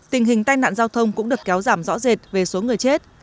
tình hình tai nạn giao thông cũng được kéo giảm rõ rệt về số người chết